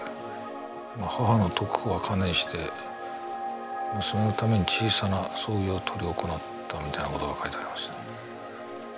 母のとく子は観念して娘のために小さな葬儀を執り行った」みたいなことが書いてありますね。